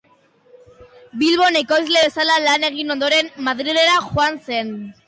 Bilbon ekoizle bezala lan egin ondoren, Madrilera joan zen.